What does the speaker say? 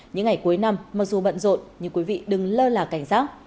những ngày cuối năm mặc dù bận rộn nhưng quý vị đừng lơ là cảnh giác